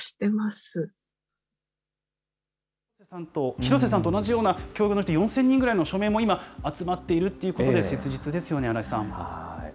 廣瀬さんと同じような境遇の人、４０００人ぐらいの署名も今、集まっているということで、切実ですよね、新井さん。